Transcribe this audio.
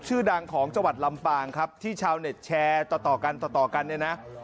ชื่อดังของจังหวัดลำปางครับที่ชาวเน็ตแชร์ต่อกันเลยนะ